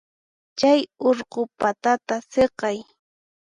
Chay urqu patata siqay.